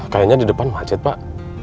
kayaknya di depan macet pak